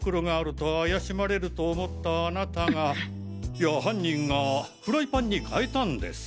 いや犯人がフライパンにかえたんです。